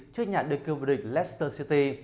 trước nhà đơn kim vua địch leicester city